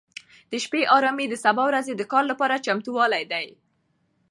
د شپې ارامي د سبا ورځې د کار لپاره چمتووالی دی.